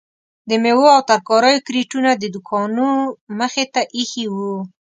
د میوو او ترکاریو کریټونه د دوکانو مخې ته ایښي وو.